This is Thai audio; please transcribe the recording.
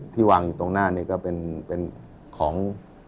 วางอยู่ตรงหน้านี้ก็เป็นของ